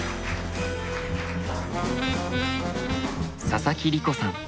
佐々木梨子さん